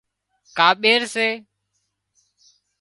ڪاٻير سي